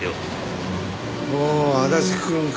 おお足立くんか。